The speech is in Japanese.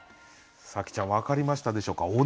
紗季ちゃん分かりましたでしょうか。